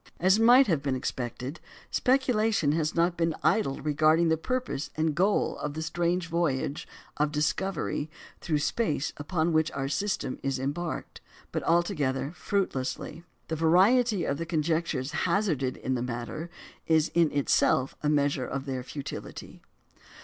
As might have been expected, speculation has not been idle regarding the purpose and goal of the strange voyage of discovery through space upon which our system is embarked; but altogether fruitlessly. The variety of the conjectures hazarded in the matter is in itself a measure of their futility.